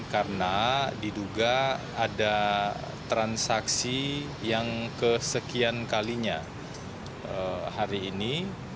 karena diduga ada transaksi yang kesekian kalinya hari ini